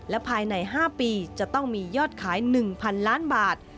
และภายใน๕ปีจะต้องมียอดขาย๑๐๐๐ล้านบาท